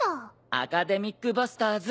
『アカデミック・バスターズ』